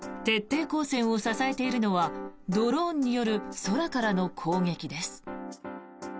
徹底抗戦を支えているのはドローンによる空からの攻撃です。